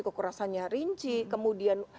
kekerasannya rinci kemudian